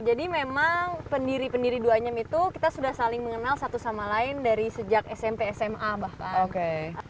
jadi memang pendiri pendiri duanyam itu kita sudah saling mengenal satu sama lain dari sejak smp sma bahkan